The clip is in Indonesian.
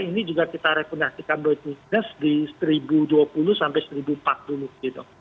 ini juga kita rekomendasikan dosisness di seribu dua puluh sampai seribu empat puluh gitu